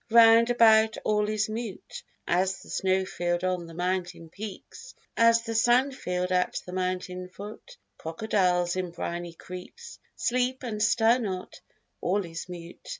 Round about all is mute, As the snowfield on the mountain peaks, As the sandfield at the mountain foot. Crocodiles in briny creeks Sleep and stir not: all is mute.